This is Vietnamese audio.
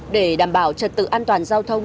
để đảm bảo trật tự an toàn giao thông